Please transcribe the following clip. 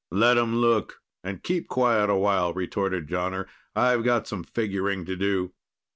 "Let 'em look, and keep quiet a while," retorted Jonner. "I've got some figuring to do."